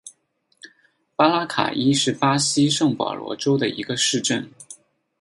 马拉卡伊是巴西圣保罗州的一个市镇。